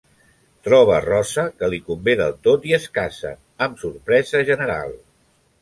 Troba Rosa, que li convé del tot i es casen, amb sorpresa general.